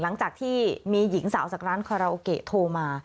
หลังจากที่มีหญิงสาวจากร้านคาราโอเกะโทรมา